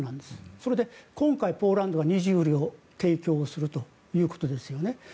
それで今回ポーランドが２０両提供するということですよね。